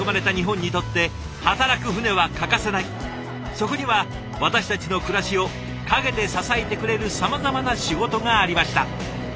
そこには私たちの暮らしを陰で支えてくれるさまざまな仕事がありました。